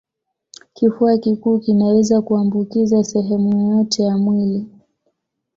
Kifua kikuu kinaweza kuambukiza sehemu yoyote ya mwili